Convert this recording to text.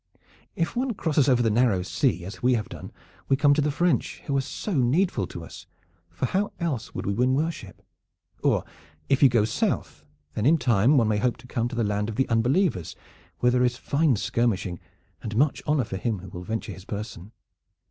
If one crosses over the Narrow Sea, as we have done, we come on the French who are so needful to us; for how else would we win worship? Or if you go south, then in time one may hope to come to the land of the unbelievers, where there is fine skirmishing and much honor for him who will venture his person.